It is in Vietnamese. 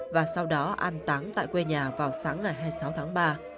và sau đó an táng tại quê nhà vào sáng ngày hai mươi sáu tháng ba